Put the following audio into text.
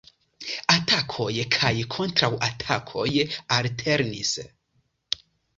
Atakoj kaj kontraŭatakoj alternis.